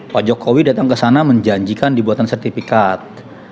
pak jokowi datang ke sana menjanjikan dibuatan sertifikat